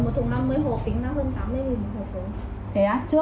một thùng năm mươi hộp tính là hơn tám mươi một hộp thôi